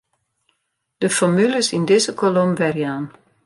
De formules yn dizze kolom werjaan.